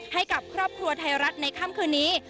ให้กับครอบครัวไทยรัฐในค่ำคืนนี้